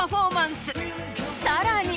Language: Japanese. さらに。